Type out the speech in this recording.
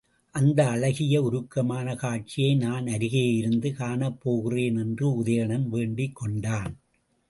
அந்த அழகிய உருக்கமான காட்சியை நான் அருகேயிருந்து காணப் போகின்றேன் என்று உதயணன் வேண்டிக் கொண்டான்.